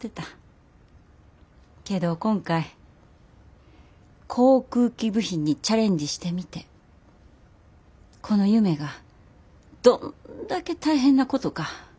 けど今回航空機部品にチャレンジしてみてこの夢がどんだけ大変なことかよう分かった。